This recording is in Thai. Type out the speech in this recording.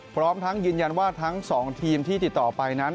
พร้อมทั้งยืนยันว่าทั้ง๒ทีมที่ติดต่อไปนั้น